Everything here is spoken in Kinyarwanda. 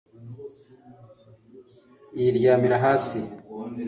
yiryamira hasi